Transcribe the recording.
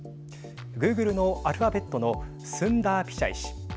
グーグルのアルファベットのスンダー・ピチャイ氏。